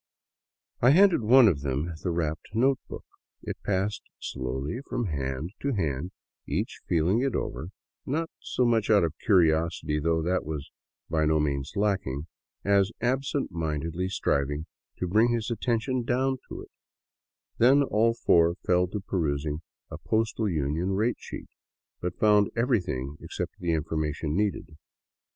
I handed one of them the wrapped notebook. It passed slowly from hand to hand, each feeling it over, not so much out of curiosity, though that was by no mean& lacking, as absent mindedly striving to bring his attention down to it Then all four fell to perusing a Postal Union rate sheet, but found everything except the information needed.